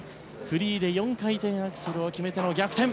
フリーで４回転アクセルを決めての逆転。